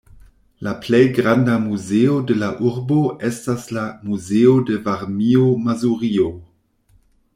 La plej granda muzeo de la urbo estas la "Muzeo de Varmio-Mazurio".